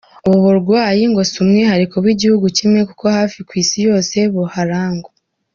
Ubu burwayi ngo si umwihariko w’igihugu kimwe kuko hafi ku isi yose buharangwa.